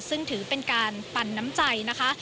ซึ่งถือเป็นการปั่นน้ำใจนะคะ